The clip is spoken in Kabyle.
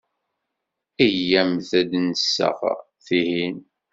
Iyyamt ad d-nseɣ tihin.